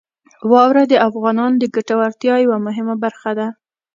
واوره د افغانانو د ګټورتیا یوه مهمه برخه ده.